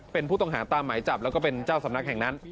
เป็นผู้ต้องหาตามหมายจับแล้วก็เป็นเจ้าสำนักแห่งนั้น